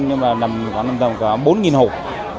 nhưng mà nằm khoảng nằm tầm bốn hộp